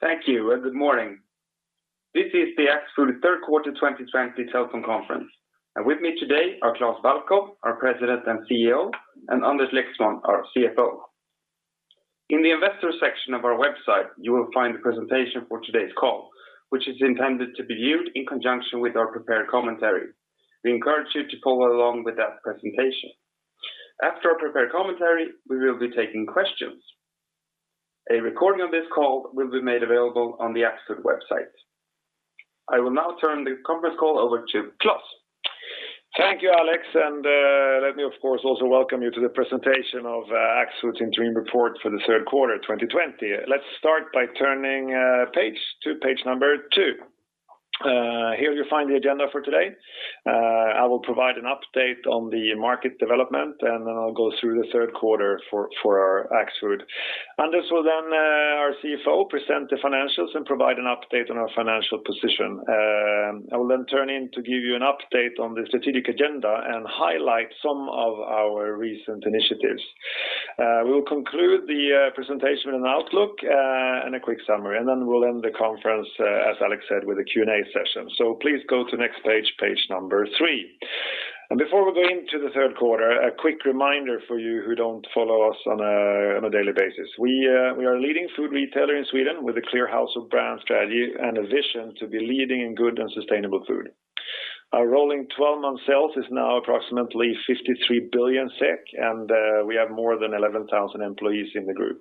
Thank you, and good morning. This is the Axfood third quarter 2020 telephone conference. With me today are Klas Balkow, our President and CEO, and Anders Lexmon, our CFO. In the investor section of our website, you will find the presentation for today's call, which is intended to be viewed in conjunction with our prepared commentary. We encourage you to follow along with that presentation. After our prepared commentary, we will be taking questions. A recording of this call will be made available on the Axfood website. I will now turn the conference call over to Klas. Thank you, Alex, and let me, of course, also welcome you to the presentation of Axfood's interim report for the third quarter 2020. Let's start by turning to page number two. Here you'll find the agenda for today. I will provide an update on the market development, and then I'll go through the third quarter for Axfood. Anders will then, our CFO, present the financials and provide an update on our financial position. I will then turn in to give you an update on the strategic agenda and highlight some of our recent initiatives. We will conclude the presentation with an outlook and a quick summary, and then we'll end the conference, as Alex said, with a Q&A session. Please go to next page number three. Before we go into the third quarter, a quick reminder for you who don't follow us on a daily basis. We are a leading food retailer in Sweden with a clear house of brand strategy and a vision to be leading in good and sustainable food. Our rolling 12-month sales is now approximately 53 billion SEK, we have more than 11,000 employees in the group.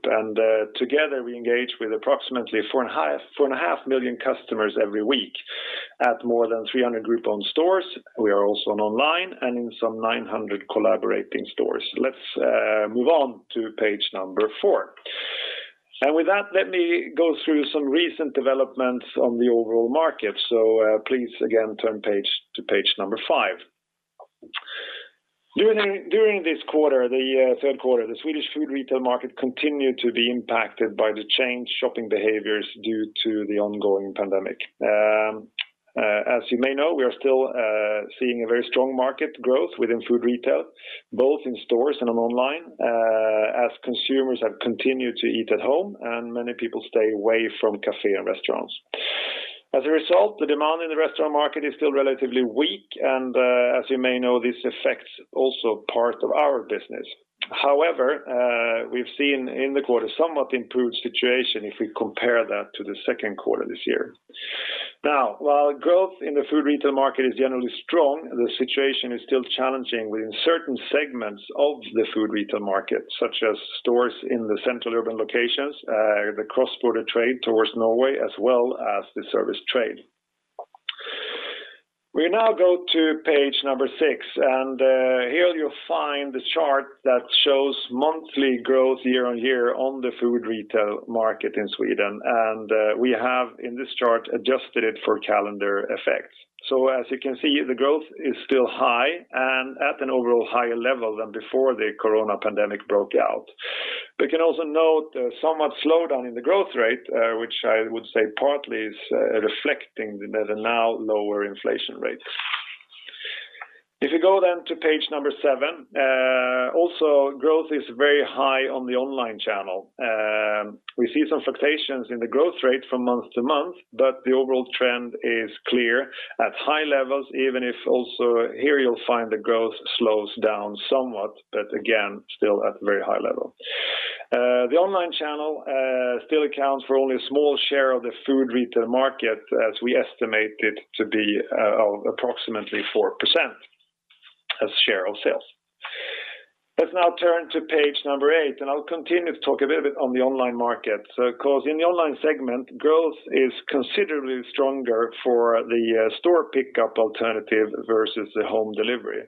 Together, we engage with approximately 4.5 million customers every week at more than 300 group-owned stores. We are also on online and in some 900 collaborating stores. Let's move on to page number four. With that, let me go through some recent developments on the overall market. Please, again, turn page to page number five. During this quarter, the third quarter, the Swedish food retail market continued to be impacted by the changed shopping behaviors due to the ongoing pandemic. As you may know, we are still seeing a very strong market growth within food retail, both in stores and on online, as consumers have continued to eat at home and many people stay away from cafe and restaurants. As a result, the demand in the restaurant market is still relatively weak, and as you may know, this affects also part of our business. However, we've seen in the quarter somewhat improved situation if we compare that to the second quarter this year. Now, while growth in the food retail market is generally strong, the situation is still challenging within certain segments of the food retail market, such as stores in the central urban locations, the cross-border trade towards Norway, as well as the service trade. We now go to page number six, here you'll find the chart that shows monthly growth year-over-year on the food retail market in Sweden. We have, in this chart, adjusted it for calendar effects. As you can see, the growth is still high and at an overall higher level than before the corona pandemic broke out. We can also note somewhat slowdown in the growth rate, which I would say partly is reflecting the now lower inflation rate. If you go to page number seven, also growth is very high on the online channel. We see some fluctuations in the growth rate month-over-month, but the overall trend is clear at high levels, even if also here you'll find the growth slows down somewhat, but again, still at a very high level. The online channel still accounts for only a small share of the food retail market as we estimate it to be approximately 4% as share of sales. Let's now turn to page number eight. I'll continue to talk a little bit on the online market. Because in the online segment, growth is considerably stronger for the store pickup alternative versus the home delivery.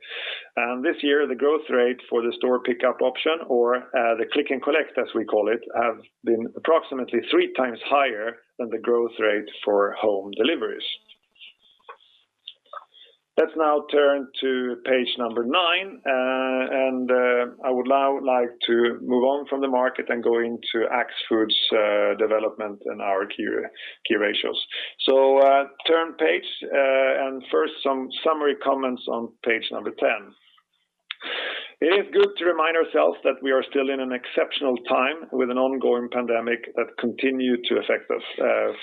This year, the growth rate for the store pickup option or the click and collect, as we call it, have been approximately 3x higher than the growth rate for home deliveries. Let's now turn to page number nine. I would now like to move on from the market and go into Axfood's development and our key ratios. Turn page, first some summary comments on page number 10. It is good to remind ourselves that we are still in an exceptional time with an ongoing pandemic that continues to affect us.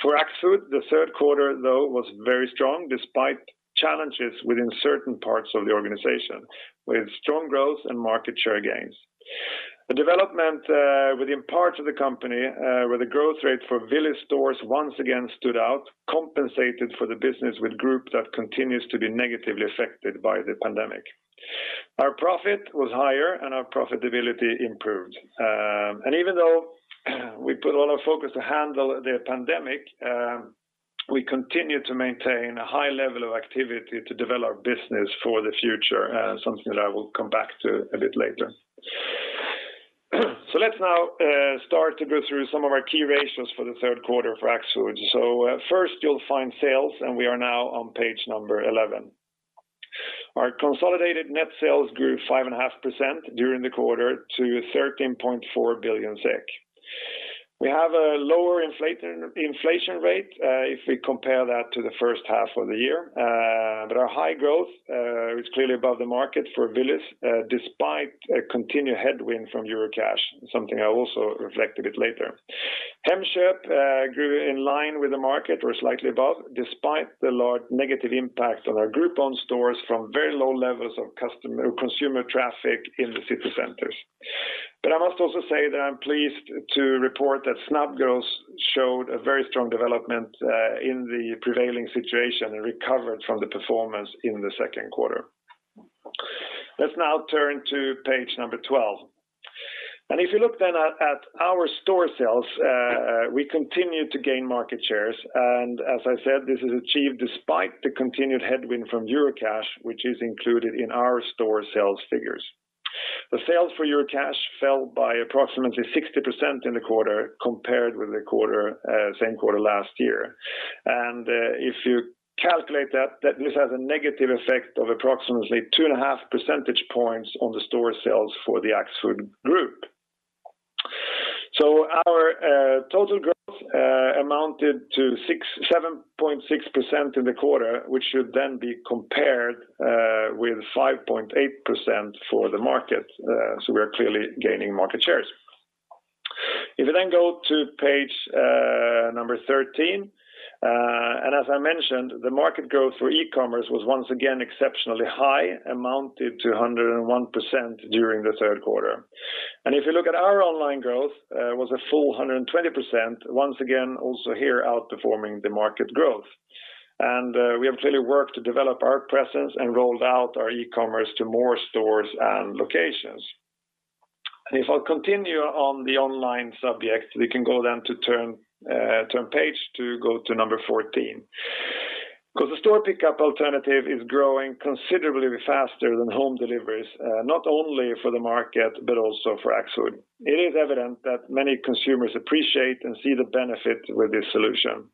For Axfood, the third quarter, though, was very strong despite challenges within certain parts of the organization, with strong growth and market share gains. The development within parts of the company where the growth rate for Willys stores once again stood out compensated for the business with group-owned that continues to be negatively affected by the pandemic. Our profit was higher, our profitability improved. Even though we put all our focus to handle the pandemic, we continue to maintain a high level of activity to develop business for the future, something that I will come back to a bit later. Let's now start to go through some of our key ratios for the third quarter for Axfood. First you'll find sales. We are now on page number 11. Our consolidated net sales grew 5.5% during the quarter to 13.4 billion SEK. We have a lower inflation rate if we compare that to the first half of the year. Our high growth is clearly above the market for Willys despite a continued headwind from Eurocash, something I also reflect a bit later. Hemköp grew in line with the market or slightly above, despite the large negative impact on our group-owned stores from very low levels of consumer traffic in the city centers. I must also say that I'm pleased to report that Snabbgross showed a very strong development in the prevailing situation and recovered from the performance in the second quarter. Let's now turn to page number 12. If you look at our store sales, we continue to gain market shares. As I said, this is achieved despite the continued headwind from Eurocash, which is included in our store sales figures. The sales for Eurocash fell by approximately 60% in the quarter compared with the same quarter last year. If you calculate that, this has a negative effect of approximately 2.5 percentage points on the store sales for the Axfood group. Our total growth amounted to 7.6% in the quarter, which should then be compared with 5.8% for the market. We are clearly gaining market shares. If you then go to page number 13. As I mentioned, the market growth for e-commerce was once again exceptionally high, amounted to 101% during the third quarter. If you look at our online growth, it was a full 120%, once again, also here outperforming the market growth. We have clearly worked to develop our presence and rolled out our e-commerce to more stores and locations. If I continue on the online subject, we can go then to turn page to go to number 14. Because the store pickup alternative is growing considerably faster than home deliveries, not only for the market but also for Axfood. It is evident that many consumers appreciate and see the benefit with this solution.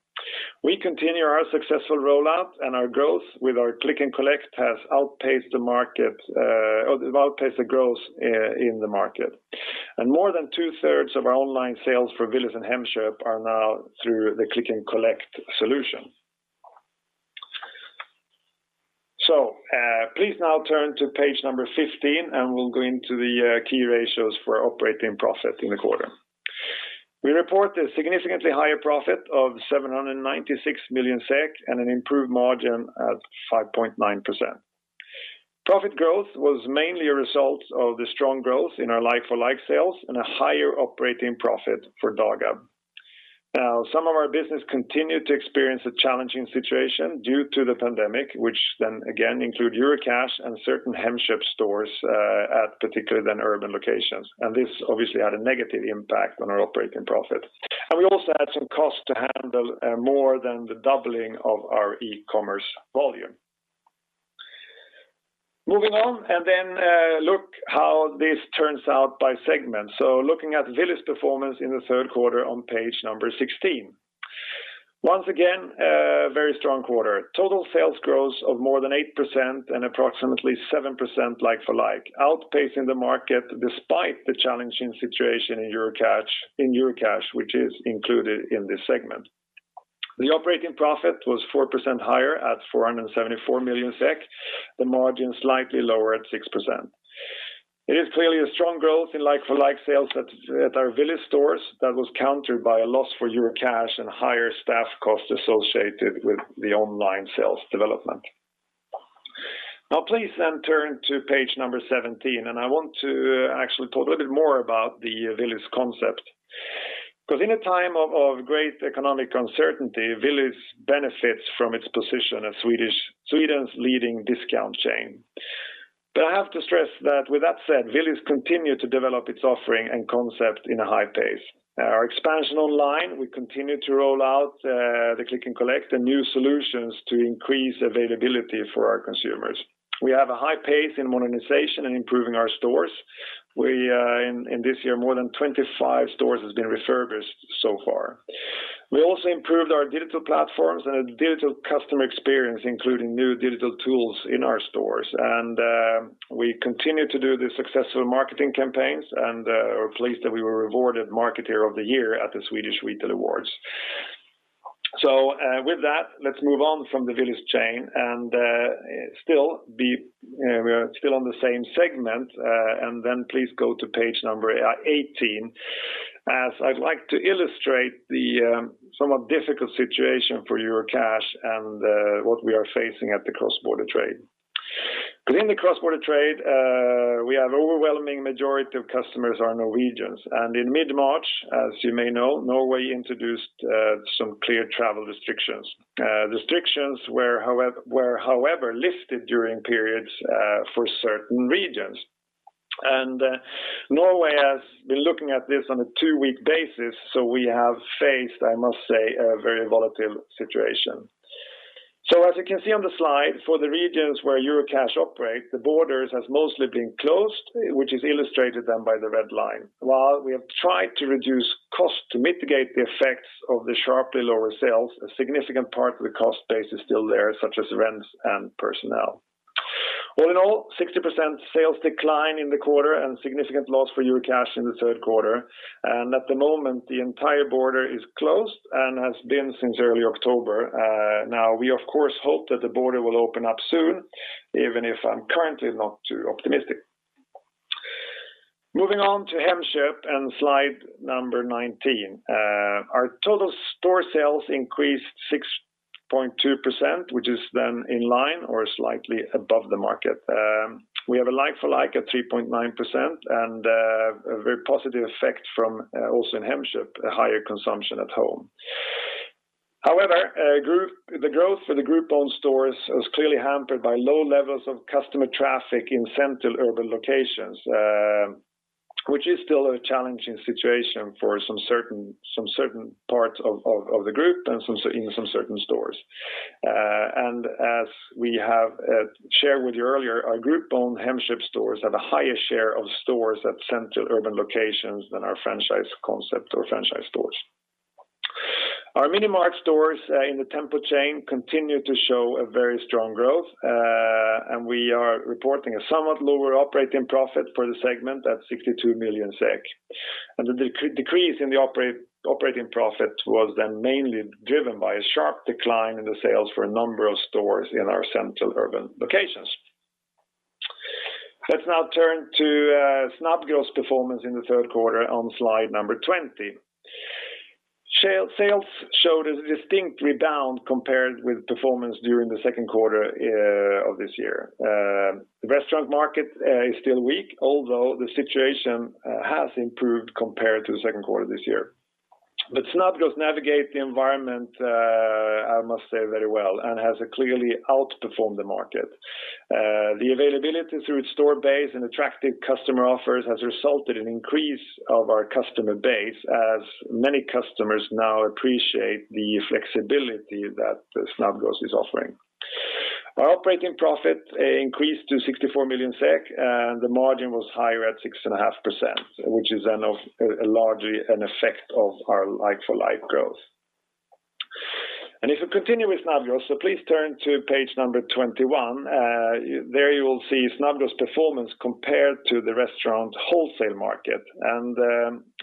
We continue our successful rollout, and our growth with our click and collect has outpaced the growth in the market. More than 2/3 of our online sales for Willys and Hemköp are now through the click and collect solution. Please now turn to page number 15, and we'll go into the key ratios for operating profit in the quarter. We report a significantly higher profit of 796 million SEK and an improved margin at 5.9%. Profit growth was mainly a result of the strong growth in our like-for-like sales and a higher operating profit for Dagab. Some of our business continued to experience a challenging situation due to the pandemic, which then again include Eurocash and certain Hemköp stores at particularly urban locations. This obviously had a negative impact on our operating profit. We also had some costs to handle more than the doubling of our e-commerce volume. Moving on, look how this turns out by segment. Looking at Willys' performance in the third quarter on page number 16. Once again, a very strong quarter. Total sales growth of more than 8% and approximately 7% like-for-like, outpacing the market despite the challenging situation in Eurocash, which is included in this segment. The operating profit was 4% higher at 474 million SEK, the margin slightly lower at 6%. It is clearly a strong growth in like-for-like sales at our Willys stores that was countered by a loss for Eurocash and higher staff costs associated with the online sales development. Please turn to page number 17, and I want to actually talk a little bit more about the Willys concept. In a time of great economic uncertainty, Willys benefits from its position as Sweden's leading discount chain. I have to stress that with that said, Willys continued to develop its offering and concept in a high pace. Our expansion online, we continued to roll out the click and collect and new solutions to increase availability for our consumers. We have a high pace in modernization and improving our stores. In this year, more than 25 stores has been refurbished so far. We also improved our digital platforms and digital customer experience, including new digital tools in our stores. We continued to do the successful marketing campaigns and are pleased that we were awarded Marketeer of the Year at the Swedish Retail Awards. With that, let's move on from the Willys chain, and we are still on the same segment. Then please go to page number 18. As I'd like to illustrate the somewhat difficult situation for Eurocash and what we are facing at the cross-border trade. Because in the cross-border trade, we have overwhelming majority of customers are Norwegians. In mid-March, as you may know, Norway introduced some clear travel restrictions. Restrictions were, however, lifted during periods for certain regions. Norway has been looking at this on a two-week basis, so we have faced, I must say, a very volatile situation. As you can see on the slide, for the regions where Eurocash operate, the borders has mostly been closed, which is illustrated then by the red line. While we have tried to reduce costs to mitigate the effects of the sharply lower sales, a significant part of the cost base is still there, such as rents and personnel. All in all, 60% sales decline in the quarter and significant loss for Eurocash in the third quarter. At the moment, the entire border is closed and has been since early October. Now, we of course hope that the border will open up soon, even if I'm currently not too optimistic. Moving on to Hemköp and slide number 19. Our total store sales increased 6.2%, which is then in line or slightly above the market. We have a like-for-like at 3.9% and a very positive effect from also in Hemköp, a higher consumption at home. However, the growth for the group-owned stores was clearly hampered by low levels of customer traffic in central urban locations, which is still a challenging situation for some certain parts of the group and in some certain stores. As we have shared with you earlier, our group-owned Hemköp stores have a higher share of stores at central urban locations than our franchise concept or franchise stores. Our minimart stores in the Tempo chain continue to show a very strong growth, we are reporting a somewhat lower operating profit for the segment at 62 million SEK. The decrease in the operating profit was then mainly driven by a sharp decline in the sales for a number of stores in our central urban locations. Let's now turn to Snabbgross' performance in the third quarter on slide number 20. Sales showed a distinct rebound compared with performance during the second quarter of this year. The restaurant market is still weak, although the situation has improved compared to the second quarter this year. Snabbgross navigate the environment, I must say, very well and has clearly outperformed the market. The availability through its store base and attractive customer offers has resulted in increase of our customer base as many customers now appreciate the flexibility that Snabbgross is offering. Our operating profit increased to 64 million SEK, and the margin was higher at 6.5%, which is then of largely an effect of our like-for-like growth. If we continue with Snabbgross, please turn to page number 21. There you will see Snabbgross' performance compared to the restaurant wholesale market.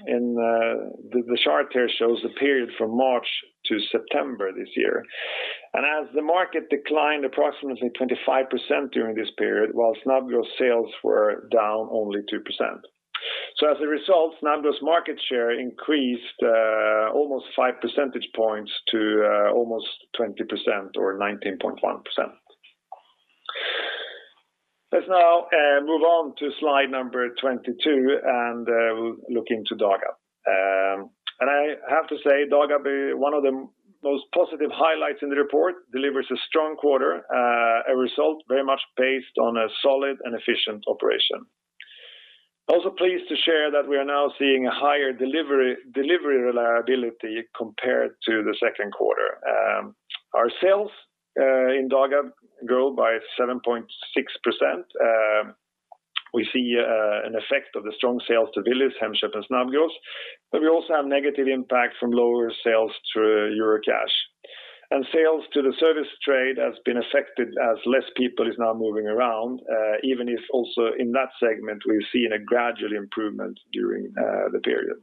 The chart here shows the period from March to September this year. As the market declined approximately 25% during this period, while Snabbgross sales were down only 2%. As a result, Snabbgross market share increased almost 5 percentage points to almost 20% or 19.1%. Let's now move on to slide number 22 and look into Dagab. I have to say, Dagab, one of the most positive highlights in the report, delivers a strong quarter, a result very much based on a solid and efficient operation. Also pleased to share that we are now seeing a higher delivery reliability compared to the second quarter. Our sales in Dagab grow by 7.6%. We see an effect of the strong sales to Willys, Hemköp, and Snabbgross, but we also have negative impact from lower sales through Eurocash. Sales to the service trade has been affected as less people is now moving around, even if also in that segment, we've seen a gradual improvement during the period.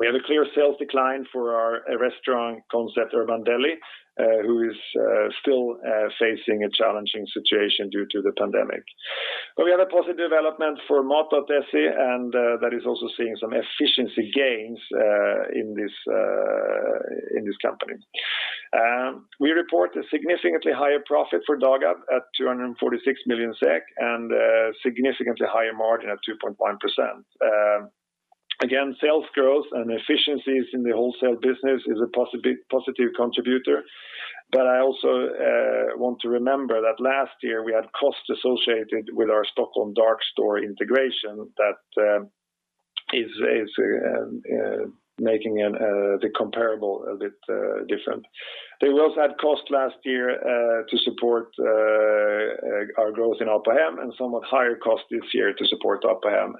We have a clear sales decline for our restaurant concept, Urban Deli, who is still facing a challenging situation due to the pandemic. We have a positive development for Mat.se, and that is also seeing some efficiency gains in this company. We report a significantly higher profit for Dagab at 246 million SEK SEK and a significantly higher margin at 2.5%. Sales growth and efficiencies in the wholesale business is a positive contributor. I also want to remember that last year we had costs associated with our Stockholm dark store integration that is making the comparable a bit different. We also had costs last year to support our growth in Apohem and somewhat higher cost this year to support Apohem.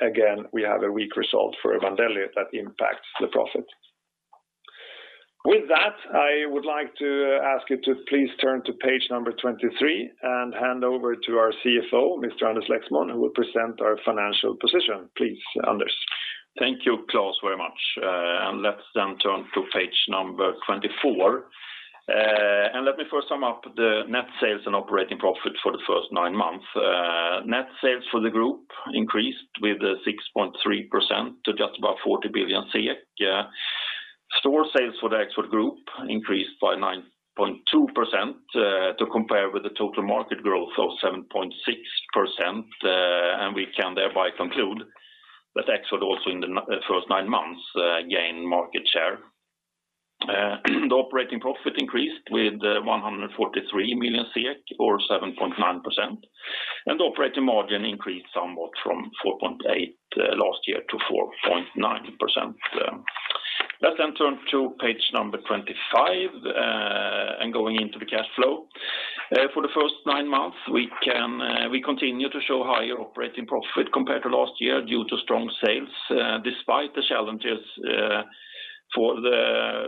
Again, we have a weak result for Urban Deli that impacts the profit. With that, I would like to ask you to please turn to page number 23 and hand over to our CFO, Mr. Anders Lexmon, who will present our financial position. Please, Anders. Thank you, Klas, very much. Let's then turn to page number 24. Let me first sum up the net sales and operating profit for the first nine months. Net sales for the group increased with 6.3% to just above 40 billion SEK. Store sales for the Axfood Group increased by 9.2% to compare with the total market growth of 7.6%. We can thereby conclude that Axfood also in the first nine months gained market share. The operating profit increased with 143 million SEK or 7.9%. Operating margin increased somewhat from 4.8% last year to 4.9%. Let's then turn to page number 25, going into the cash flow. For the first nine months, we continue to show higher operating profit compared to last year due to strong sales, despite the challenges for the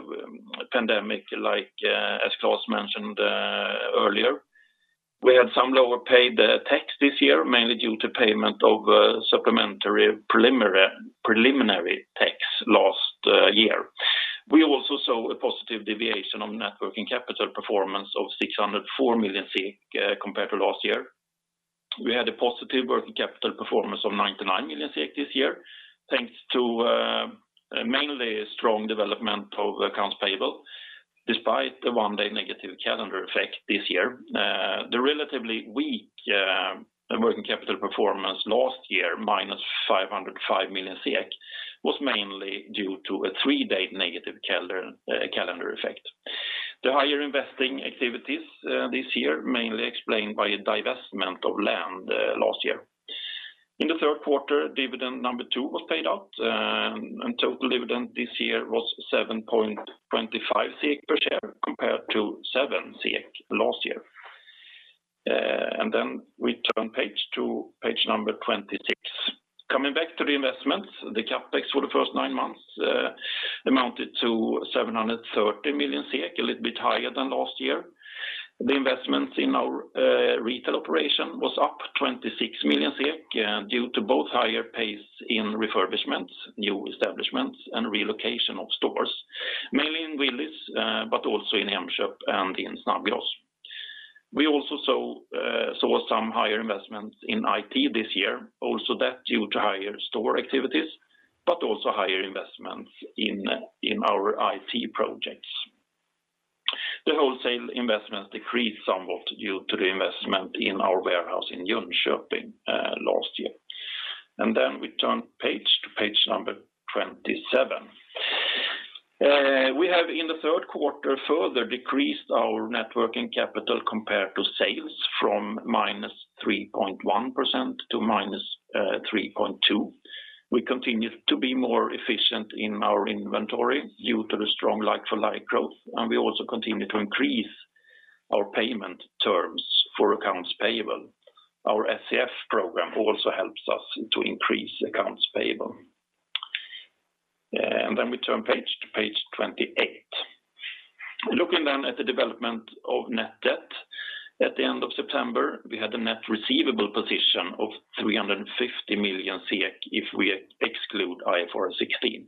pandemic, as Klas mentioned earlier. We had some lower paid tax this year, mainly due to payment of supplementary preliminary tax last year. We also saw a positive deviation of net working capital performance of 604 million compared to last year. We had a positive working capital performance of 99 million this year, thanks to mainly strong development of accounts payable despite the one-day negative calendar effect this year. The relatively weak working capital performance last year, -505 million SEK, was mainly due to a three-day negative calendar effect. The higher investing activities this year mainly explained by a divestment of land last year. In the third quarter, dividend number two was paid out and total dividend this year was 7.25 per share compared to 7 last year. We turn page to page number 26. Coming back to the investments, the CapEx for the first nine months amounted to 730 million, a little bit higher than last year. The investments in our retail operation was up 26 million SEK due to both higher pace in refurbishments, new establishments, and relocation of stores, mainly in Willys but also in Hemköp and in Snabbgross. We also saw some higher investments in IT this year, also that due to higher store activities, but also higher investments in our IT projects. The wholesale investments decreased somewhat due to the investment in our warehouse in Jönköping last year. We turn page to page number 27. We have in the third quarter further decreased our net working capital compared to sales from -3.1% to -3.2%. We continue to be more efficient in our inventory due to the strong like-for-like growth. We also continue to increase our payment terms for accounts payable. Our SCF program also helps us to increase accounts payable. We turn page to page 28. Looking then at the development of net debt, at the end of September, we had a net receivable position of 350 million SEK if we exclude IFRS 16.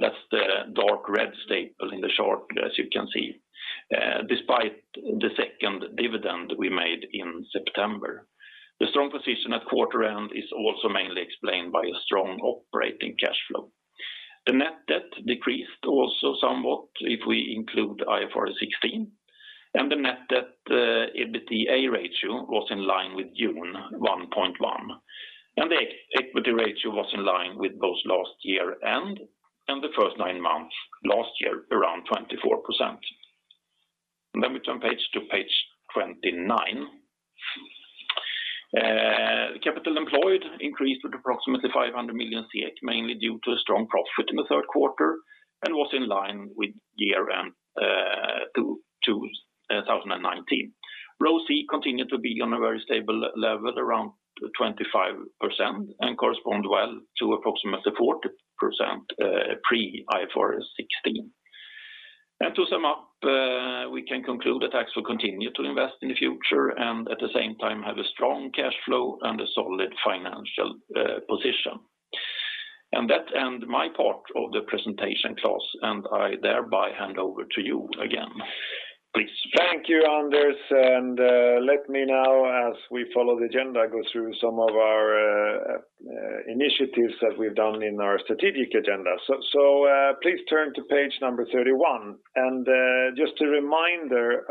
That's the dark red staple in the chart as you can see, despite the second dividend we made in September. The strong position at quarter end is also mainly explained by a strong operating cash flow. The net debt decreased also somewhat if we include IFRS 16. The net debt EBITDA ratio was in line with June, 1.1. The equity ratio was in line with both last year end and the first nine months last year, around 24%. We turn page to page 29. The capital employed increased with approximately 500 million, mainly due to a strong profit in the third quarter and was in line with year end 2019. ROC continued to be on a very stable level around 25% and correspond well to approximately 40% pre IFRS 16. To sum up, we can conclude that Axfood continue to invest in the future and at the same time have a strong cash flow and a solid financial position. That end my part of the presentation, Klas, and I thereby hand over to you again. Please. Thank you, Anders. Let me now as we follow the agenda, go through some of our initiatives that we've done in our strategic agenda. Please turn to page number 31. Just a reminder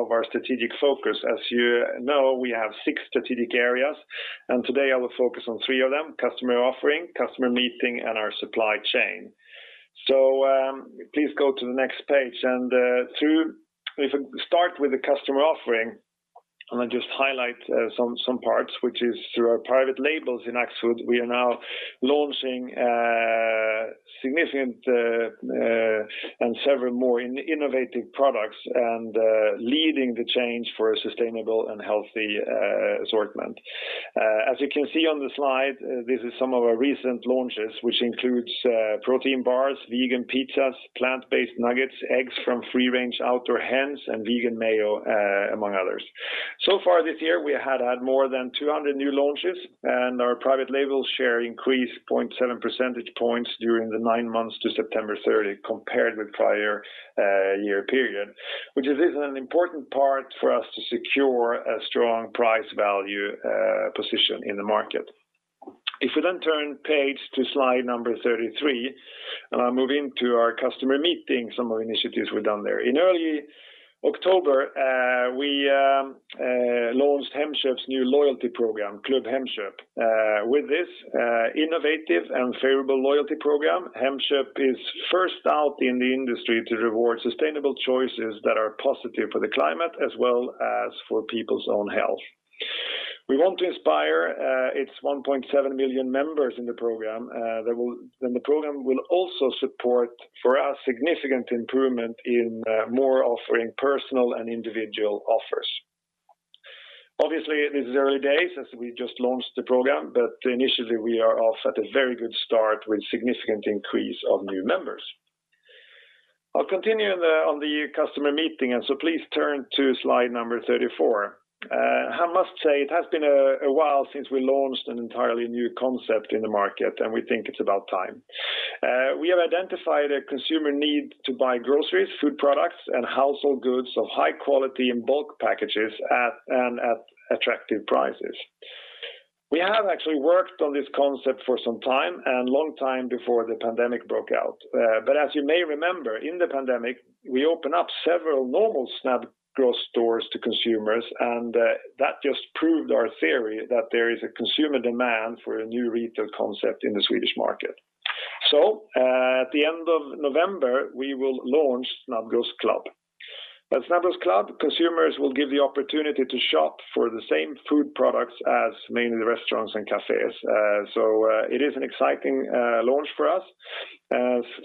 of our strategic focus, as you know, we have six strategic areas, and today I will focus on three of them, customer offering, customer meeting, and our supply chain. Please go to the next page and if we start with the customer offering, and I just highlight some parts, which is through our private labels in Axfood, we are now launching significant and several more innovative products and leading the change for a sustainable and healthy assortment. As you can see on the slide, this is some of our recent launches which includes protein bars, vegan pizzas, plant-based nuggets, eggs from free-range outdoor hens, and vegan mayo, among others. Far this year, we had more than 200 new launches and our private label share increased 0.7 percentage points during the nine months to September 30 compared with prior year period, which is an important part for us to secure a strong price value position in the market. If we turn page to slide number 33 and I move into our customer meeting, some of the initiatives we've done there. In early October, we launched Hemköp's new loyalty program, Klubb Hemköp. With this innovative and favorable loyalty program, Hemköp is first out in the industry to reward sustainable choices that are positive for the climate as well as for people's own health. We want to inspire its 1.7 million members in the program. The program will also support for a significant improvement in more offering personal and individual offers. This is early days as we just launched the program, but initially we are off at a very good start with significant increase of new members. I'll continue on the customer meeting, please turn to slide number 34. I must say it has been a while since we launched an entirely new concept in the market. We think it's about time. We have identified a consumer need to buy groceries, food products, and household goods of high quality in bulk packages and at attractive prices. We have actually worked on this concept for some time, long time before the pandemic broke out. As you may remember, in the pandemic, we opened up several normal Snabbgross stores to consumers, that just proved our theory that there is a consumer demand for a new retail concept in the Swedish market. At the end of November, we will launch Snabbgross Club. At Snabbgross Club, consumers will get the opportunity to shop for the same food products as mainly the restaurants and cafes. It is an exciting launch for us.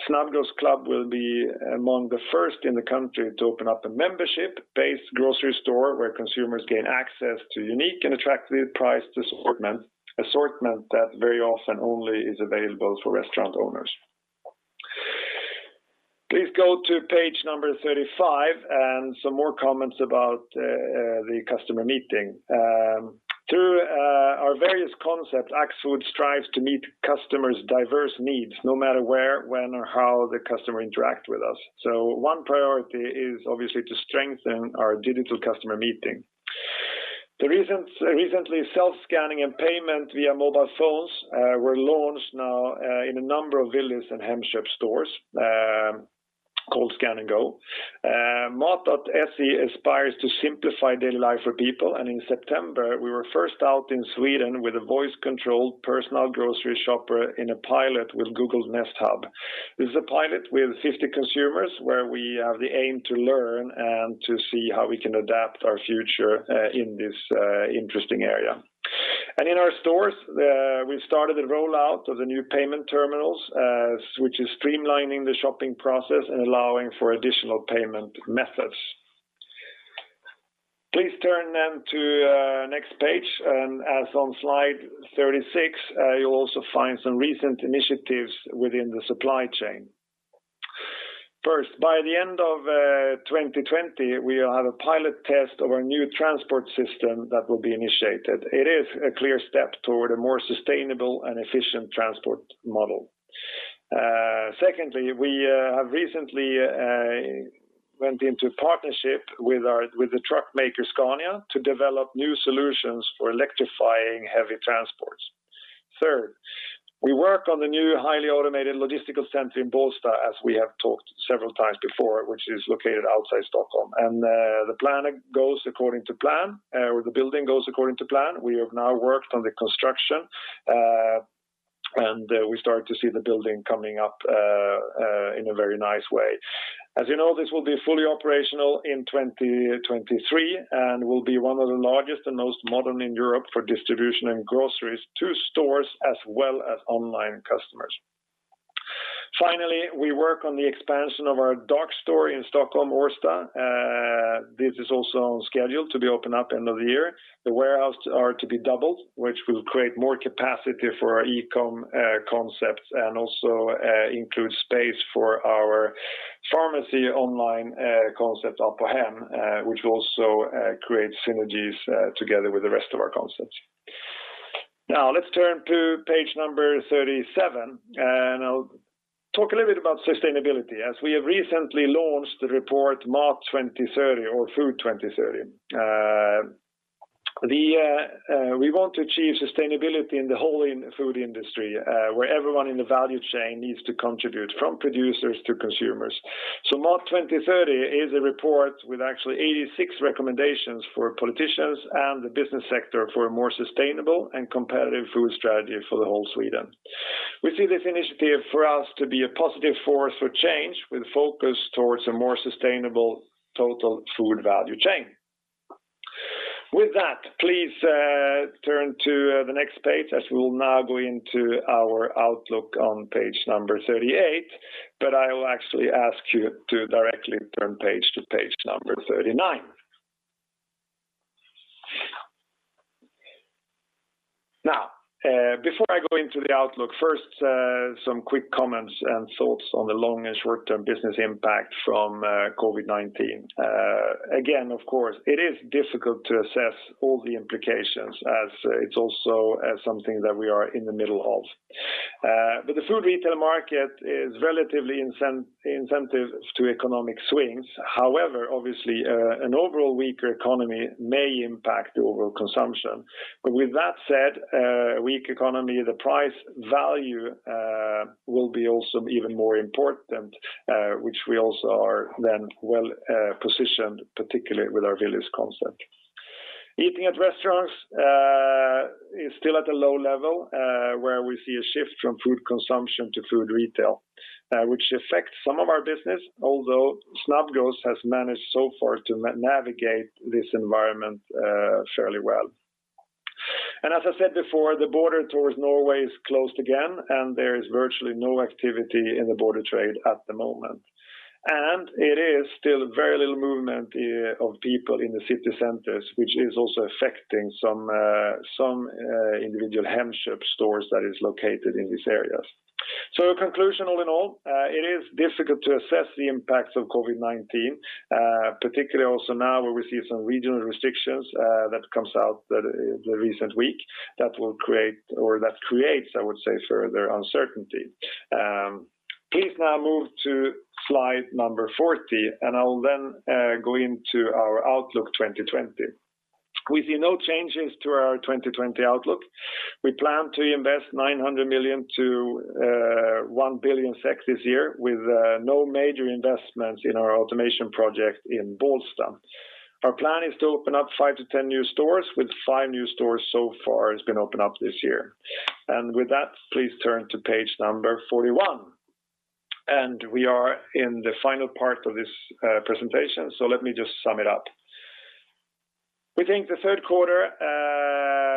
Snabbgross Club will be among the first in the country to open up a membership-based grocery store where consumers gain access to unique and attractive priced assortment that very often only is available for restaurant owners. Please go to page number 35, and some more comments about the customer meeting. Through our various concepts, Axfood strives to meet customers' diverse needs, no matter where, when, or how the customer interacts with us. One priority is obviously to strengthen our digital customer meeting. Recently, self-scanning and payment via mobile phones were launched in a number of Willys and Hemköp stores, called Scan & Go. Mat.se aspires to simplify daily life for people. In September, we were first out in Sweden with a voice-controlled personal grocery shopper in a pilot with Google's Nest Hub. This is a pilot with 50 consumers where we have the aim to learn and to see how we can adapt our future in this interesting area. In our stores, we started the rollout of the new payment terminals, which is streamlining the shopping process and allowing for additional payment methods. Please turn then to next page. As on slide 36, you'll also find some recent initiatives within the supply chain. First, by the end of 2020, we'll have a pilot test of our new transport system that will be initiated. It is a clear step toward a more sustainable and efficient transport model. Secondly, we have recently went into partnership with the truck maker Scania to develop new solutions for electrifying heavy transports. Third, we work on the new highly automated logistical center in Bålsta, as we have talked several times before, which is located outside Stockholm. The building goes according to plan. We have now worked on the construction, and we start to see the building coming up in a very nice way. As you know, this will be fully operational in 2023 and will be one of the largest and most modern in Europe for distribution and groceries to stores as well as online customers. Finally, we work on the expansion of our dark store in Stockholm, Årsta. This is also on schedule to be open up end of the year. The warehouse are to be doubled, which will create more capacity for our e-com concepts and also include space for our pharmacy online concept Apohem, which will also create synergies together with the rest of our concepts. Now let's turn to page number 37, and I'll talk a little bit about sustainability as we have recently launched the report Mat 2030 or Food 2030. We want to achieve sustainability in the whole food industry, where everyone in the value chain needs to contribute from producers to consumers. Mat 2030 is a report with actually 86 recommendations for politicians and the business sector for a more sustainable and competitive food strategy for the whole Sweden. We see this initiative for us to be a positive force for change with focus towards a more sustainable total food value chain. With that, please turn to the next page as we will now go into our outlook on page number 38. I will actually ask you to directly turn page to page number 39. Now, before I go into the outlook, first, some quick comments and thoughts on the long and short-term business impact from COVID-19. Again, of course, it is difficult to assess all the implications as it's also something that we are in the middle of. The food retail market is relatively insensitive to economic swings. However, obviously, an overall weaker economy may impact overall consumption. With that said, weak economy, the price value will be also even more important, which we also are then well positioned, particularly with our Willys concept. Eating at restaurants is still at a low level, where we see a shift from food consumption to food retail, which affects some of our business, although Snabbgross has managed so far to navigate this environment fairly well. As I said before, the border towards Norway is closed again, and there is virtually no activity in the border trade at the moment. It is still very little movement of people in the city centers, which is also affecting some individual Hemköp stores that is located in these areas. Conclusion all in all, it is difficult to assess the impacts of COVID-19, particularly also now where we see some regional restrictions that comes out the recent week that creates, I would say, further uncertainty. Please now move to slide number 40, and I will then go into our Outlook 2020. We see no changes to our 2020 outlook. We plan to invest 900 million-1 billion SEK this year with no major investments in our automation project in Bålsta. Our plan is to open up 5-10 new stores with five new stores so far is going to open up this year. With that, please turn to page number 41. We are in the final part of this presentation, so let me just sum it up. We think the third quarter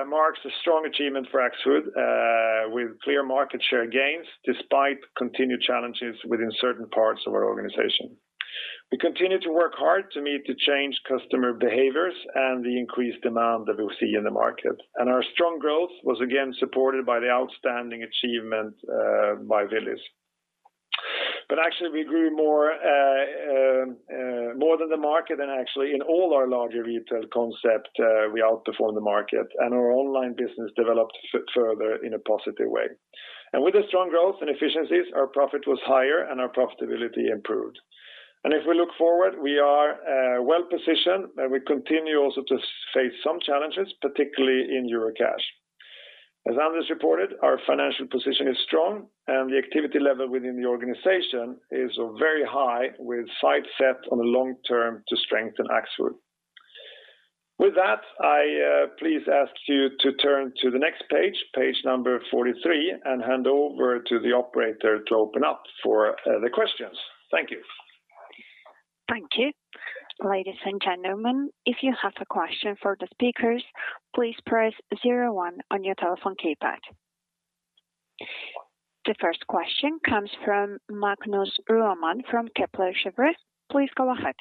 marks a strong achievement for Axfood with clear market share gains despite continued challenges within certain parts of our organization. We continue to work hard to meet the changed customer behaviors and the increased demand that we see in the market. Our strong growth was again supported by the outstanding achievement by Willys. Actually we grew more than the market and actually in all our larger retail concept, we outperformed the market and our online business developed further in a positive way. With the strong growth and efficiencies, our profit was higher and our profitability improved. If we look forward, we are well-positioned and we continue also to face some challenges, particularly in Eurocash. As Anders reported, our financial position is strong and the activity level within the organization is very high with sights set on the long term to strengthen Axfood. With that, I please ask you to turn to the next page number 43, and hand over to the operator to open up for the questions. Thank you. Thank you. Ladies and gentlemen, if you have a question for the speakers, please press zero one on your telephone keypad. The first question comes from Magnus Råman from Kepler Cheuvreux. Please go ahead.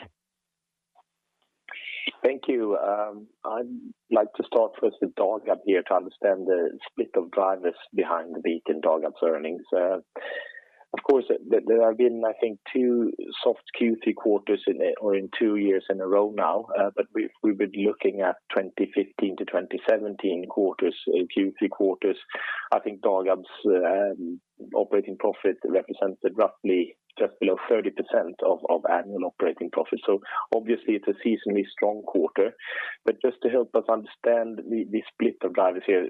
Thank you. I'd like to start first with Dagab here to understand the split of drivers behind the beat in Dagab's earnings. Of course, there have been, I think two soft Q3 quarters or in two years in a row now. We've been looking at 2015 to 2017 Q3 quarters. I think Dagab's operating profit represents roughly just below 30% of annual operating profit. Obviously it's a seasonally strong quarter, but just to help us understand the split of drivers here,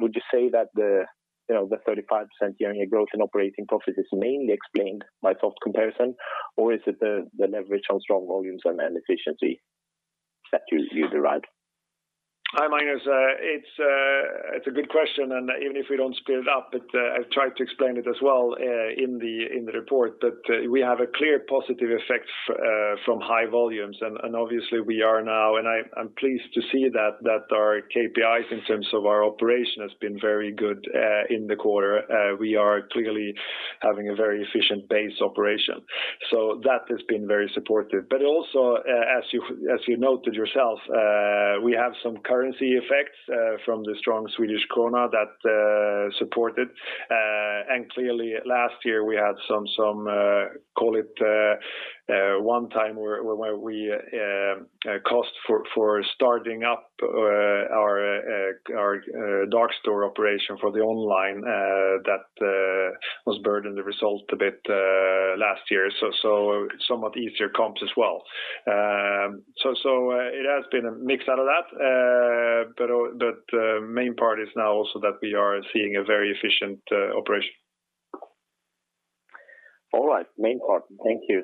would you say that the 35% year-on-year growth in operating profit is mainly explained by soft comparison or is it the leverage on strong volumes and efficiency that you derived? Hi, Magnus. It's a good question, and even if we don't split it up, but I've tried to explain it as well in the report that we have a clear positive effect from high volumes and obviously we are now, and I'm pleased to see that our KPIs in terms of our operation has been very good in the quarter. We are clearly having a very efficient base operation. That has been very supportive. Also, as you noted yourself, we have some currency effects from the strong Swedish krona that support it. Clearly last year we had some, call it, one-time where we cost for starting up our dark store operation for the online that was burden the result a bit last year. Somewhat easier comps as well. It has been a mix out of that, but main part is now also that we are seeing a very efficient operation. All right. Main part. Thank you.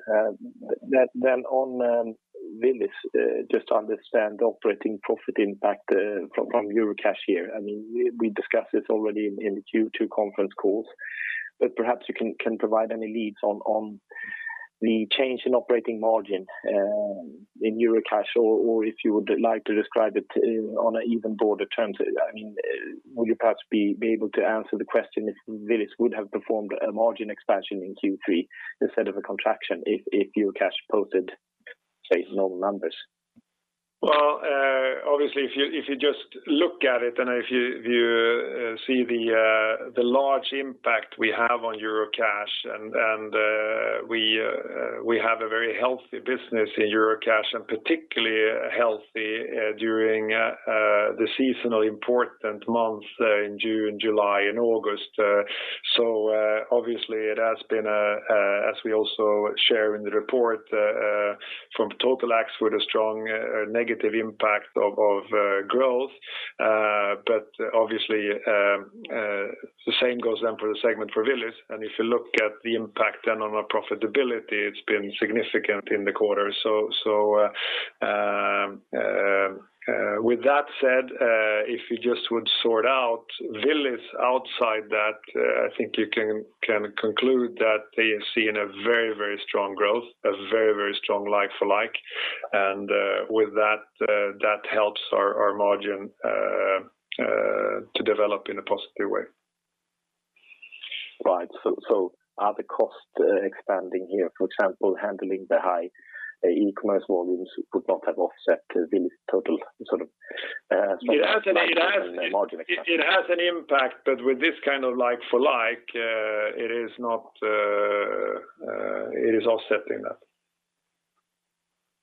On Willys, just to understand the operating profit impact from Eurocash here. We discussed this already in the Q2 conference calls, but perhaps you can provide any leads on the change in operating margin in Eurocash or if you would like to describe it on an even broader terms? Would you perhaps be able to answer the question if Willys would have performed a margin expansion in Q3 instead of a contraction if Eurocash posted, say, normal numbers? Obviously, if you just look at it and if you see the large impact we have on Eurocash and we have a very healthy business in Eurocash and particularly healthy during the seasonally important months in June, July, and August. Obviously it has been, as we also share in the report from total Axfood, a strong negative impact of growth. Obviously, the same goes then for the segment for Willys. If you look at the impact then on our profitability, it's been significant in the quarter. With that said, if you just would sort out Willys outside that, I think you can conclude that they have seen a very strong growth, a very strong like-for-like and with that helps our margin to develop in a positive way. Right. Are the cost expanding here? For example, handling the high e-commerce volumes would not have offset Willys total sort of. It has an impact, but with this kind of like-for-like it is offsetting that.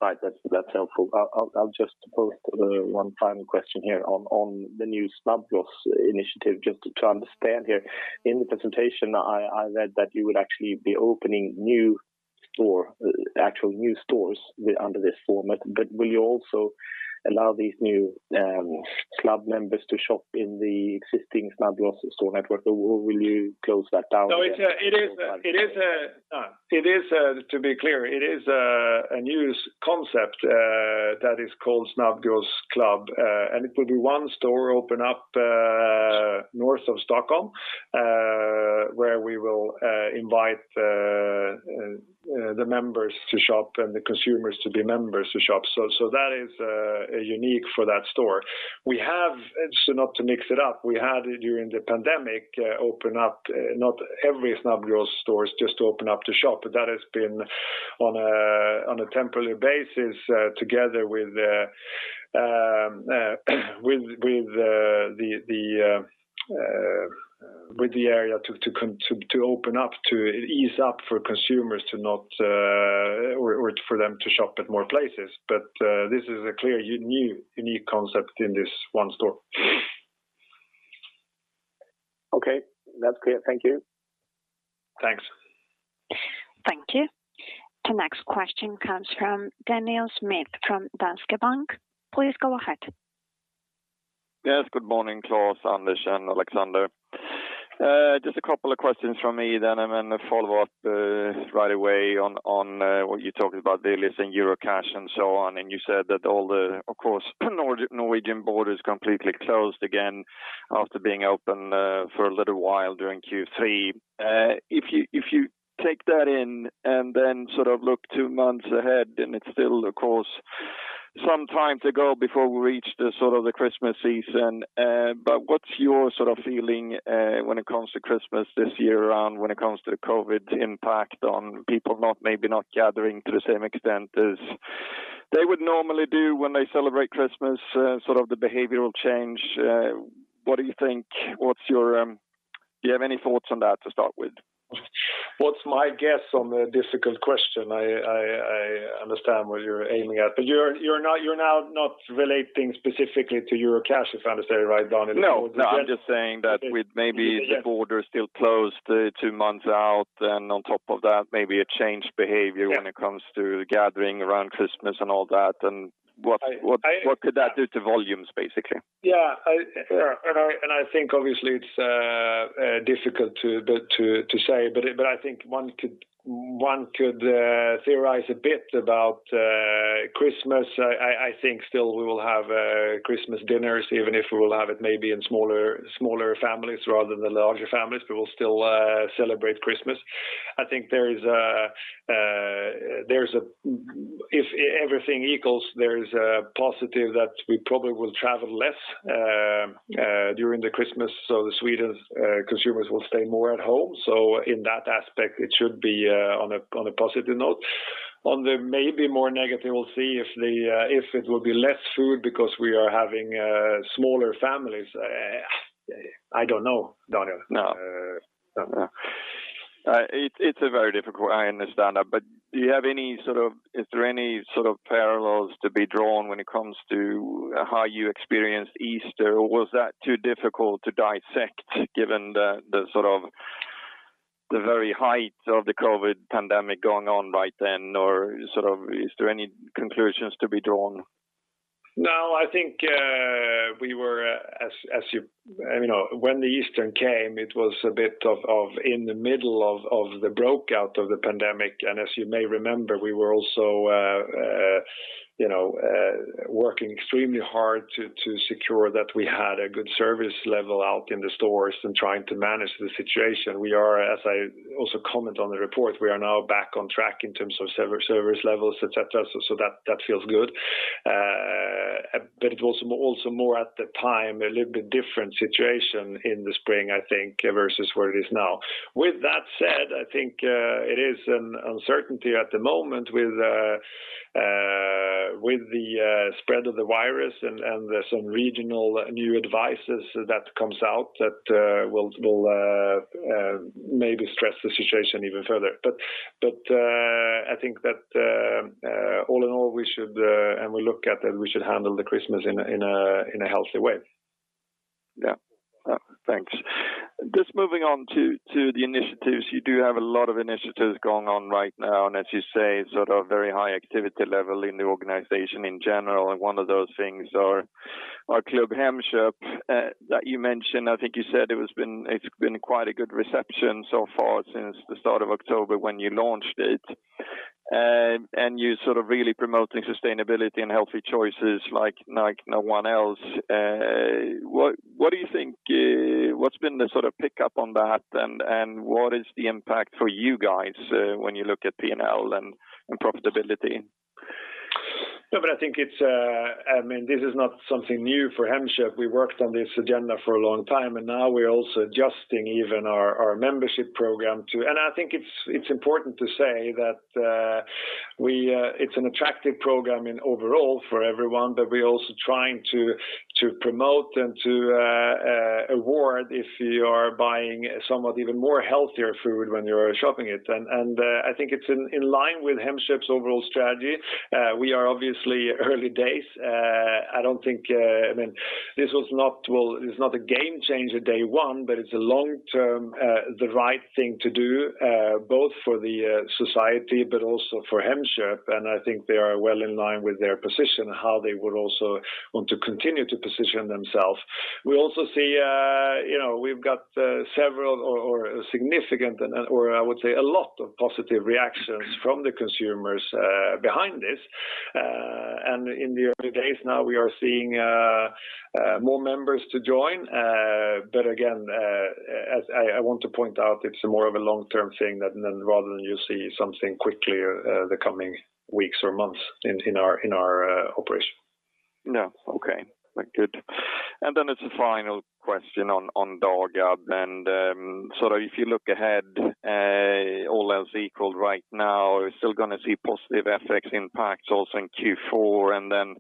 Right. That's helpful. I'll just pose one final question here on the new Snabbgross initiative, just to understand here. In the presentation, I read that you would actually be opening actual new stores under this format. Will you also allow these new club members to shop in the existing Snabbgross store network, or will you close that down? No, to be clear, it is a new concept that is called Snabbgross Club. It will be one store open up north of Stockholm, where we will invite the members to shop and the consumers to be members to shop. That is unique for that store. Not to mix it up, we had during the pandemic open up, not every Snabbgross store, just open up to shop. That has been on a temporary basis together with the area to open up, to ease up for consumers or for them to shop at more places. This is a clear, unique concept in this one store. Okay. That's clear. Thank you. Thanks. Thank you. The next question comes from Daniel Schmidt from Danske Bank. Please go ahead. Yes, good morning, Klas, Anders, and Alexander. Just a couple of questions from me, then I'm going to follow up right away on what you talked about, Willys and Eurocash and so on, and you said that all the, of course, Norwegian border is completely closed again after being open for a little while during Q3. If you take that in and then sort of look two months ahead, then it's still, of course, some time to go before we reach the Christmas season. What's your feeling when it comes to Christmas this year around when it comes to the COVID impact on people maybe not gathering to the same extent as they would normally do when they celebrate Christmas, sort of the behavioral change? What do you think? Do you have any thoughts on that to start with? What's my guess on the difficult question? I understand what you're aiming at. You're now not relating specifically to Eurocash, if I understand right, Daniel? No, I'm just saying that with maybe the border still closed two months out and on top of that, maybe a changed behavior when it comes to gathering around Christmas and all that. What could that do to volumes, basically? Yeah. I think obviously it's difficult to say, but I think one could theorize a bit about Christmas. I think still we will have Christmas dinners, even if we will have it maybe in smaller families rather than larger families, we will still celebrate Christmas. I think if everything equals, there is a positive that we probably will travel less during the Christmas. The Sweden consumers will stay more at home. In that aspect, it should be on a positive note. On the maybe more negative, we'll see if it will be less food because we are having smaller families. I don't know, Daniel. No. It's very difficult, I understand that. Is there any sort of parallels to be drawn when it comes to how you experienced Easter, or was that too difficult to dissect given the very height of the COVID pandemic going on back then? Is there any conclusions to be drawn? I think when the Easter came, it was a bit of in the middle of the breakout of the pandemic. As you may remember, we were also working extremely hard to secure that we had a good service level out in the stores and trying to manage the situation. We are, as I also comment on the report, we are now back on track in terms of service levels, et cetera. That feels good. It was also more at the time, a little bit different situation in the spring, I think, versus where it is now. With that said, I think it is an uncertainty at the moment with the spread of the virus and some regional new advices that comes out that will maybe stress the situation even further. I think that all in all, and we look at that we should handle the Christmas in a healthy way. Yeah. Thanks. Just moving on to the initiatives. You do have a lot of initiatives going on right now, and as you say, sort of very high activity level in the organization in general, and one of those things are Klubb Hemköp that you mentioned. I think you said it's been quite a good reception so far since the start of October when you launched it. You're sort of really promoting sustainability and healthy choices like no one else. What's been the sort of pickup on that, and what is the impact for you guys when you look at P&L and profitability? No, I think this is not something new for Hemköp. We worked on this agenda for a long time, now we're also adjusting even our membership program too. I think it's important to say that it's an attractive program overall for everyone, we're also trying to promote and to award if you are buying somewhat even healthier food when you're shopping. I think it's in line with Hemköp's overall strategy. We are obviously early days. This is not a game changer day one, it's a long-term, the right thing to do both for the society also for Hemköp, I think they are well in line with their position, how they would also want to continue to position themselves. We also see we've got several or significant, or I would say a lot of positive reactions from the consumers behind this. In the early days now we are seeing more members to join. Again, as I want to point out, it's more of a long-term thing than rather than you see something quickly the coming weeks or months in our operation. No. Okay. Good. It's a final question on Dagab. If you look ahead, all else equal right now, we're still going to see positive FX impacts also in Q4.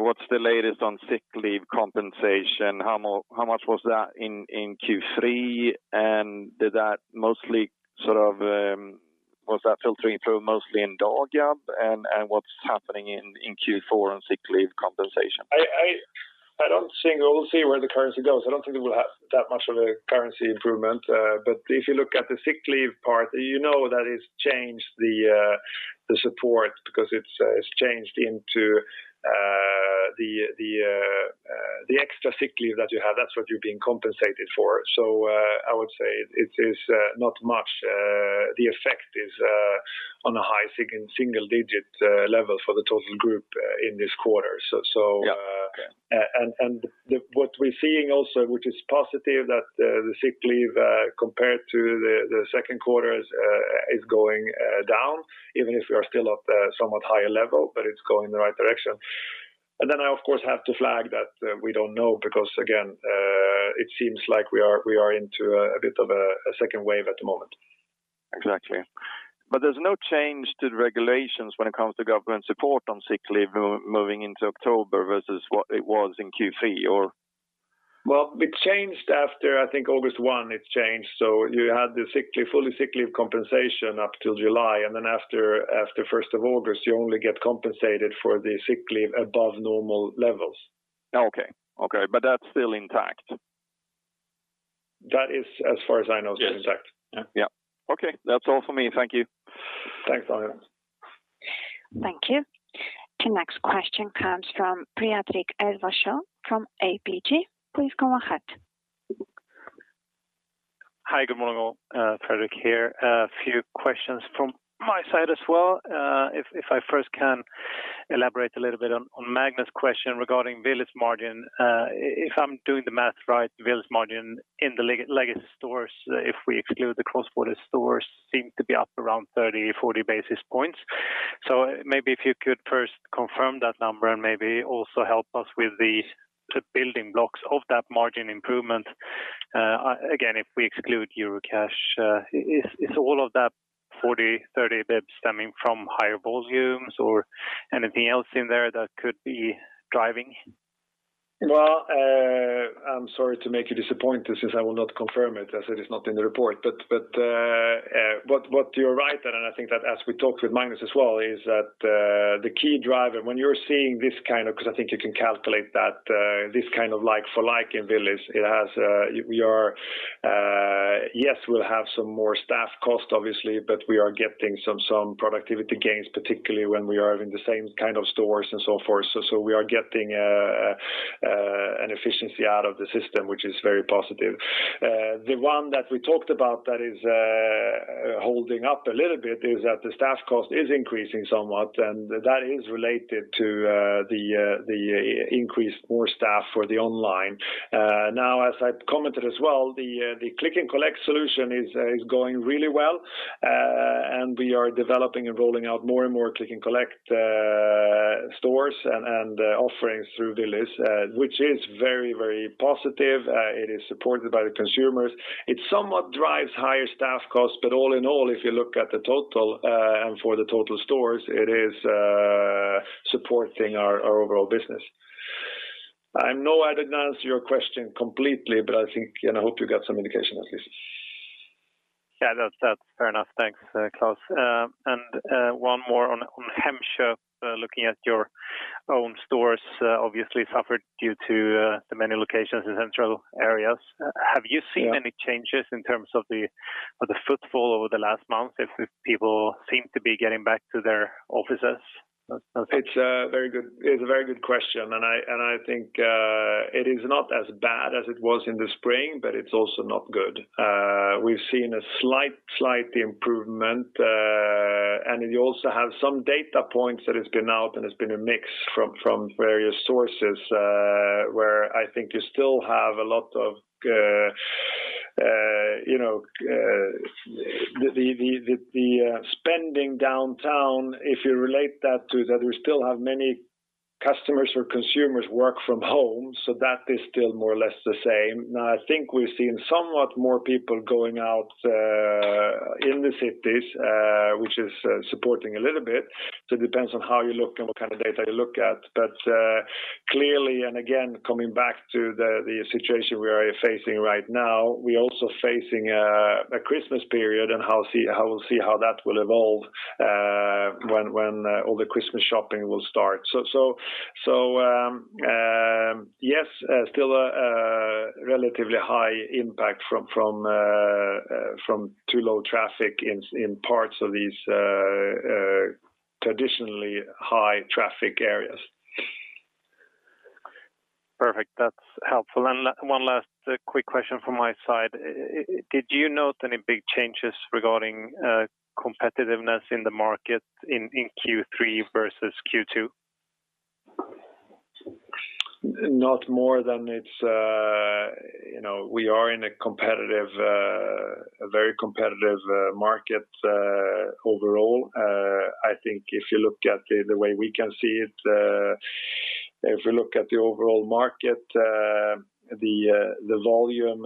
What's the latest on sick leave compensation? How much was that in Q3? Was that filtering through mostly in Dagab? What's happening in Q4 on sick leave compensation? We'll see where the currency goes. I don't think we will have that much of a currency improvement. If you look at the sick leave part, you know that it's changed the support because it's changed into the extra sick leave that you have. That's what you're being compensated for. I would say it is not much. The effect is on a high-single-digit level for the total group in this quarter. Yeah. Okay. What we're seeing also, which is positive that the sick leave compared to the second quarter is going down, even if we are still at a somewhat higher level, but it's going in the right direction. Then I of course have to flag that we don't know because again, it seems like we are into a bit of a second wave at the moment. Exactly. There's no change to the regulations when it comes to government support on sick leave moving into October versus what it was in Q3 or? Well, it changed after I think August 1 it changed. You had the full sick leave compensation up till July, and then after 1st of August, you only get compensated for the sick leave above normal levels. Okay. That's still intact? That is as far as I know is intact. Yes. Yeah. Okay. That's all for me. Thank you. Thanks, Daniel. Thank you. The next question comes from Fredrik Ivarsson from ABG. Please go ahead. Hi. Good morning all. Fredrik here. A few questions from my side as well. I first can elaborate a little bit on Magnus' question regarding Willys margin. I'm doing the math right, Willys margin in the legacy stores, if we exclude the cross-border stores seem to be up around 30, 40 basis points. Maybe if you could first confirm that number and maybe also help us with the building blocks of that margin improvement. Again, if we exclude Eurocash, is all of that 40, 30 basis points stemming from higher volumes or anything else in there that could be driving? Well, I'm sorry to make you disappointed since I will not confirm it as it is not in the report. You're right, and I think that as we talked with Magnus as well, is that the key driver when you're seeing this kind of because I think you can calculate that this kind of like-for-like in Willys, yes, we'll have some more staff cost obviously, but we are getting some productivity gains, particularly when we are in the same kind of stores and so forth. We are getting an efficiency out of the system, which is very positive. The one that we talked about that is holding up a little bit is that the staff cost is increasing somewhat, and that is related to the increased more staff for the online. Now as I commented as well, the click-and-collect solution is going really well. We are developing and rolling out more and more click and collect stores and offerings through Willys, which is very, very positive. It is supported by the consumers. It somewhat drives higher staff costs, but all in all, if you look at the total for the total stores, it is supporting our overall business. I know I didn't answer your question completely, but I think and I hope you got some indication at least. Yeah, that's fair enough. Thanks, Klas. One more on Hemköp. Looking at your own stores, obviously suffered due to the many locations in central areas. Have you seen any changes in terms of the footfall over the last month if people seem to be getting back to their offices? It's a very good question. I think it is not as bad as it was in the spring. It's also not good. We've seen a slight improvement. You also have some data points that has been out and has been a mix from various sources, where I think you still have a lot of the spending downtown, if you relate that to that we still have many customers or consumers work from home. That is still more or less the same. Now, I think we're seeing somewhat more people going out in the cities, which is supporting a little bit. It depends on how you look and what kind of data you look at. Clearly, and again, coming back to the situation we are facing right now, we're also facing a Christmas period, and we'll see how that will evolve when all the Christmas shopping will start. Yes, still a relatively high impact from too little traffic in parts of these traditionally high traffic areas. Perfect. That's helpful. One last quick question from my side. Did you note any big changes regarding competitiveness in the market in Q3 versus Q2? We are in a very competitive market overall. I think if you look at the way we can see it, if you look at the overall market, the volume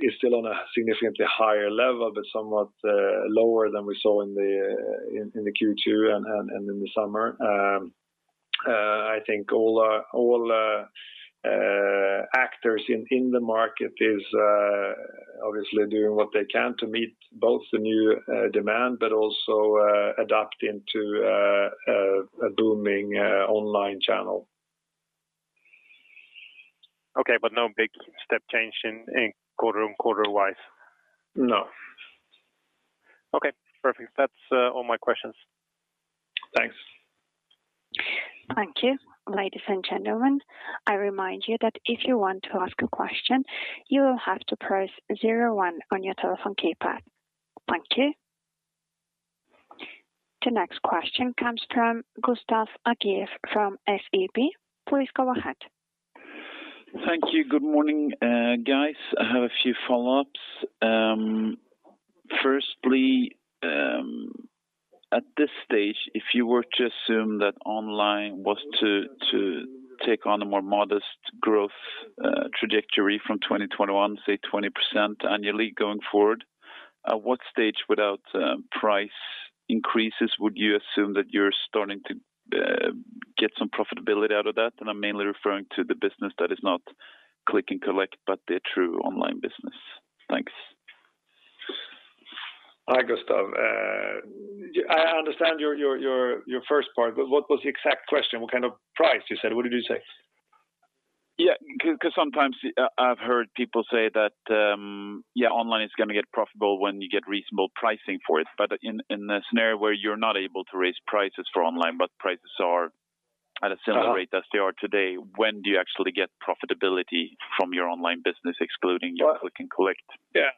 is still on a significantly higher level, but somewhat lower than we saw in the Q2 and in the summer. I think all actors in the market are obviously doing what they can to meet both the new demand, but also adapt into a booming online channel. Okay, no big step change quarter wise? No. Okay, perfect. That's all my questions. Thanks. Thank you. Ladies and gentlemen, I remind you that if you want to ask a question, you will have to press zero one on your telephone keypad. Thank you. The next question comes from Gustav Hagéus from SEB. Please go ahead. Thank you. Good morning, guys. I have a few follow-ups. Firstly, at this stage, if you were to assume that online was to take on a more modest growth trajectory from 2021, say 20% annually going forward, at what stage without price increases would you assume that you're starting to get some profitability out of that? I'm mainly referring to the business that is not click and collect, but the true online business. Thanks. Hi, Gustav. I understand your first part, but what was the exact question? What kind of price you said? What did you say? Yeah, because sometimes I've heard people say that online is going to get profitable when you get reasonable pricing for it. In a scenario where you're not able to raise prices for online, but prices are at a similar rate as they are today, when do you actually get profitability from your online business excluding your click and collect? Yeah.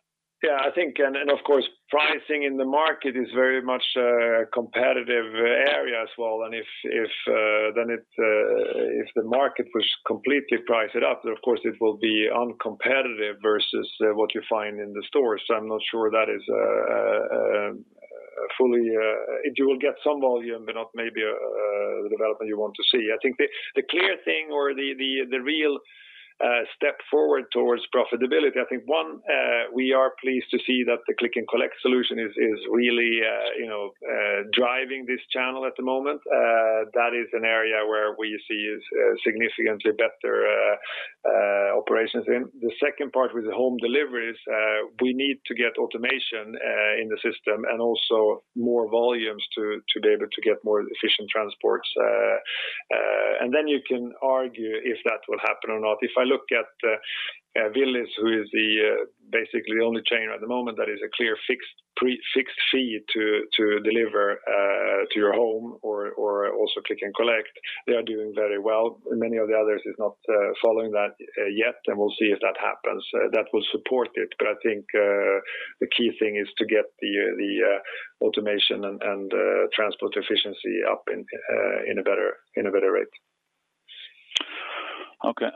Of course, pricing in the market is very much a competitive area as well. If the market was completely priced up, then of course it will be uncompetitive versus what you find in the stores. You will get some volume, but not maybe the development you want to see. I think the clear thing or the real step forward towards profitability, I think one, we are pleased to see that the click and collect solution is really driving this channel at the moment. That is an area where we see significantly better operations in. The second part with the home deliveries, we need to get automation in the system and also more volumes to be able to get more efficient transports. Then you can argue if that will happen or not. If I look at Willys, who is basically the only chain at the moment that has a clear fixed fee to deliver to your home or also click and collect, they are doing very well. Many of the others are not following that yet, and we'll see if that happens. That will support it, but I think the key thing is to get the automation and transport efficiency up in a better rate. Okay.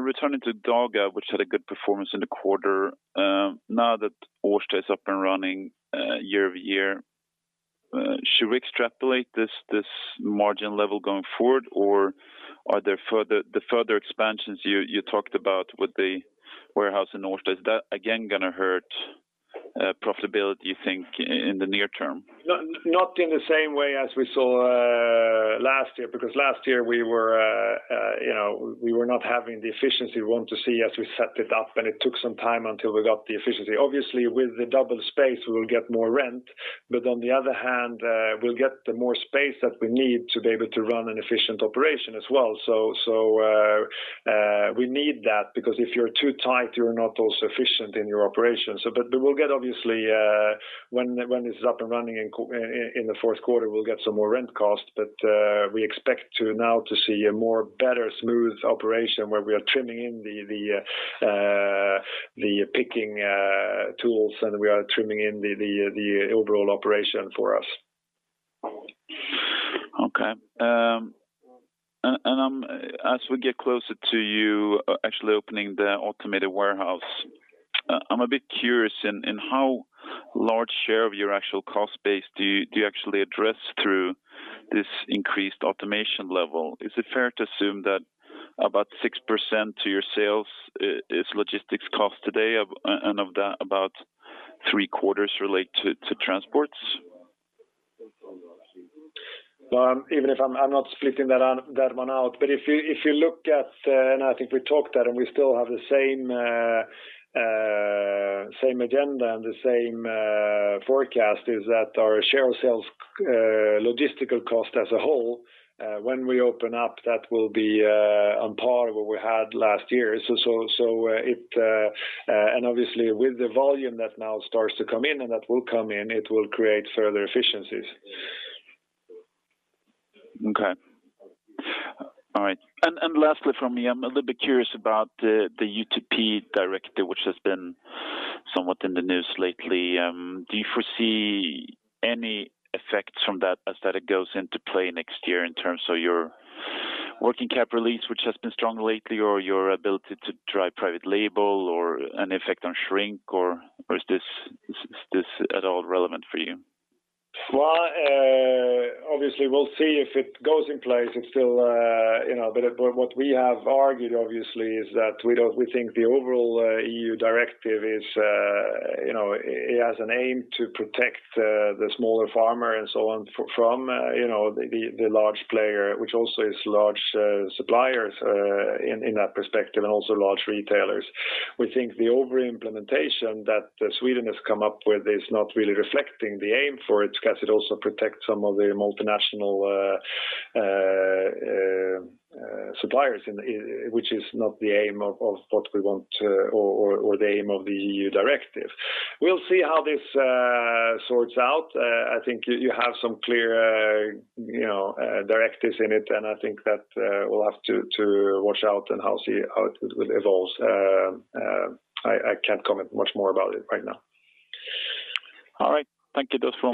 Returning to Dagab, which had a good performance in the quarter. Now that Årsta is up and running year-over-year, should we extrapolate this margin level going forward? Are there the further expansions you talked about with the warehouse in Årsta, is that again going to hurt profitability, you think, in the near term? Not in the same way as we saw last year, because last year we were not having the efficiency we want to see as we set it up, and it took some time until we got the efficiency. Obviously, with the double space, we will get more rent, but on the other hand, we'll get the more space that we need to be able to run an efficient operation as well. We need that because if you're too tight, you're not also efficient in your operations. We will get obviously, when this is up and running in the fourth quarter, we'll get some more rent costs. We expect now to see a more better, smooth operation where we are trimming in the picking tools and we are trimming in the overall operation for us. Okay. As we get closer to you actually opening the automated warehouse, I'm a bit curious in how large share of your actual cost base do you actually address through this increased automation level? Is it fair to assume that about 6% to your sales is logistics cost today, and of that about three quarters relate to transports? Even if I'm not splitting that one out, if you look at, I think we talked that and we still have the same agenda and the same forecast, is that our share of sales logistical cost as a whole when we open up, that will be on par with what we had last year. Obviously with the volume that now starts to come in and that will come in, it will create further efficiencies. Okay. All right. Lastly from me, I'm a little bit curious about the UTP Directive, which has been somewhat in the news lately. Do you foresee any effects from that as that it goes into play next year in terms of your working cap release, which has been strong lately, or your ability to drive private label or an effect on shrink, or is this at all relevant for you? Obviously, we'll see if it goes in place. What we have argued obviously is that we think the overall EU Directive is, it has an aim to protect the smaller farmer and so on from the large player, which also is large suppliers in that perspective, and also large retailers. We think the over-implementation that Sweden has come up with is not really reflecting the aim for it, because it also protects some of the multinational suppliers, which is not the aim of what we want or the aim of the EU Directive. We'll see how this sorts out. I think you have some clear directives in it, and I think that we'll have to watch out and see how it will evolve. I can't comment much more about it right now. All right. Thank you, Klas.